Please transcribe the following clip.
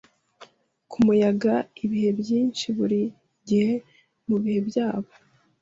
kumuyaga ibihe byinshi Burigihe mubihe byabo